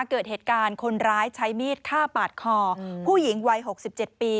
เกิดเหตุการณ์คนร้ายใช้มีดฆ่าปาดคอผู้หญิงวัย๖๗ปี